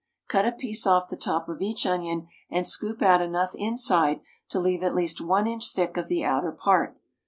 Cut a piece off the top of each onion and scoop out enough inside to leave at least 1 inch thick of the outer part.